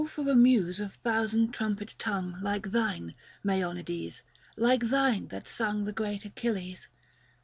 for a Muse of thousand trumpet tongue # Like thine, Mgeonides, like thine that sung The great Achilles.